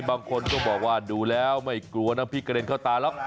บางคนก็บอกว่าดูแล้วไม่กลัวน้ำพริกกระเด็นเข้าตาหรอก